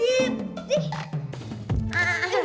kayaknya yang banyak